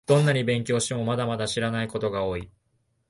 どんなに勉強しても、まだまだ知らないことが多い